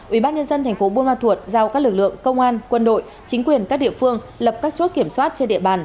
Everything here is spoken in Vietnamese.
ubnd tp buôn ma thuột giao các lực lượng công an quân đội chính quyền các địa phương lập các chốt kiểm soát trên địa bàn